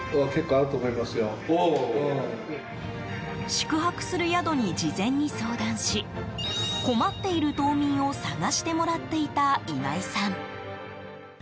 宿泊する宿に事前に相談し困っている島民を探してもらっていた今井さん。